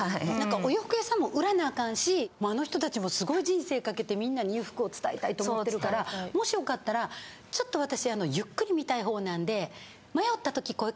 お洋服屋さんも売らなあかんしあの人たちもすごい人生かけてみんなに伝えたいと思ってるからもし良かったらちょっと私ゆっくり見たい方なんで。